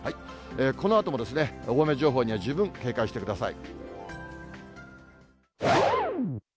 このあとも大雨情報には十分警戒してください。